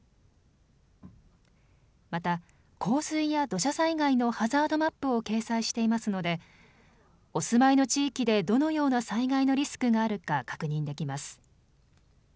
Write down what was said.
また、洪水や土砂災害のハザードマップを掲載していますのでお住まいの地域でどのような災害のリスクがあるか確認できます。